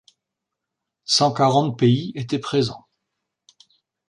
Cent quarante pays étaient présents.